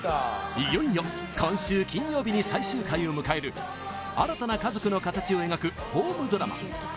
いよいよ今週金曜日に最終回を迎える新たな家族のかたちを描くホームドラマ「＃